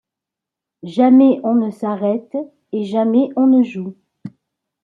Jamais on ne s’arrête et jamais on ne joue.